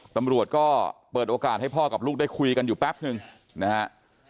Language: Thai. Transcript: ตำรวจก็เปิดโอกาสให้พ่อกับลูกได้คุยกันอยู่แป๊บนึงนะฮะ